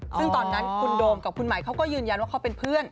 ซึ่งตอนนั้นคุณโดมกับคุณหมายเขาก็ยืนยันว่าเขาเป็นเพื่อน